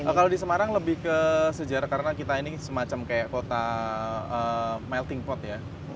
kalau di semarang lebih ke sejarah karena kita ini semacam kayak kota melting pot ya